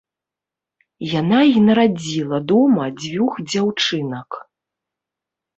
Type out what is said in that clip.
Яна і нарадзіла дома дзвюх дзяўчынак.